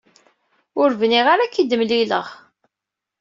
Ur bniɣ ara ad k-id-mlileɣ.